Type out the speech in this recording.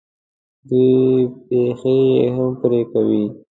دوی پښې یې هم پرې کوي.